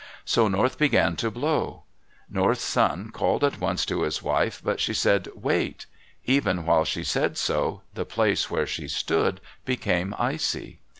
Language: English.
So North began to blow. North's son called at once to his wife, but she said, "Wait!" Even while she said so, the place where she stood became icy.